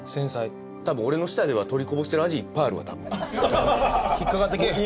きれいたぶん俺の舌では取りこぼしてる味いっぱいあるわ引っ掛かってけぇへん